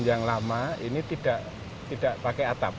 yang lama ini tidak pakai atap